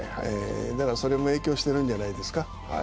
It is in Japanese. それも影響してるんじゃないですか。